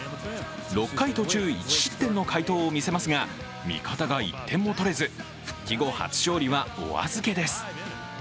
６回途中１失点の快投を見せますが味方が１点も取れず、復帰後初勝利はお預けです。